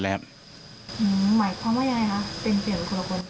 หมายความว่าอย่างไรครับเต็มเสียงเป็นคนละคน